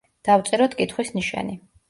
დავწეროთ კითხვის ნიშანი.